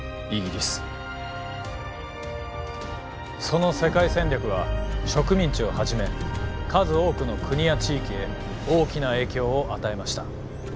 その世界戦略は植民地をはじめ数多くの国や地域へ大きな影響を与えました。